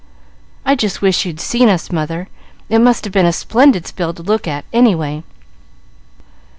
I just wish you'd seen us, mother! It must have been a splendid spill to look at, any way."